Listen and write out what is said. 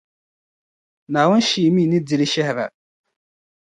Naawuni Shia mi di li shɛhira.